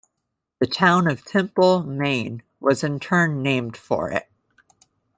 The town of Temple, Maine was in turn named for it.